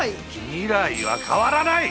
未来は変わらない！